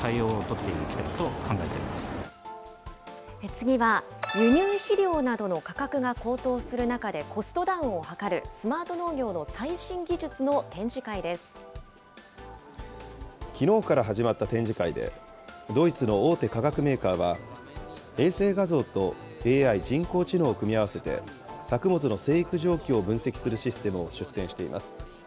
次は、輸入肥料などの価格が高騰する中で、コストダウンを図るスマートきのうから始まった展示会で、ドイツの大手化学メーカーは、衛星画像とＡＩ・人工知能を組み合わせて、作物の生育状況を分析するシステムを出展しています。